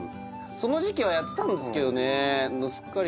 その時期はやってたんですけどね